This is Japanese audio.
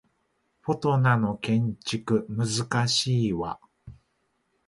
フォトナの建築難しいわ